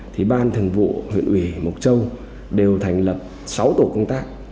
thì ban thường vụ huyện ủy mộc châu đều thành lập sáu tổ công tác